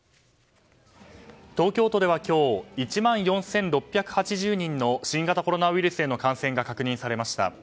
東京都では今日１万４６８０人の新型コロナウイルスへの感染が確認されました。